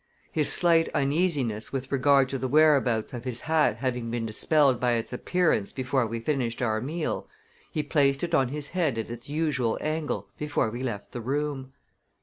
His slight uneasiness with regard to the whereabouts of his hat having been dispelled by its appearance before we finished our meal, he placed it on his head at its usual angle before we left the room.